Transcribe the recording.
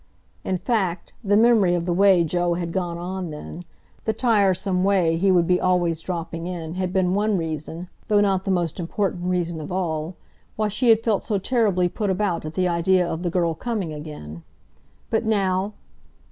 In fact, the memory of the way Joe had gone on then, the tiresome way he would be always dropping in, had been one reason (though not the most important reason of all) why she had felt so terribly put about at the idea of the girl coming again. But now?